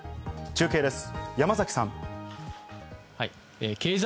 中継です、山崎さん。